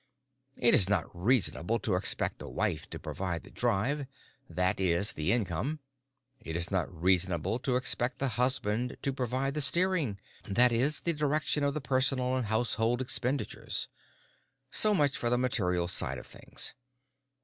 It is not reasonable to expect the wife to provide the drive—that is, the income. It is not reasonable to expect the husband to provide the steering—that is, the direction of the personal and household expenditures. So much for the material side of things.